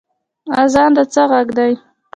اذان د څه غږ دی؟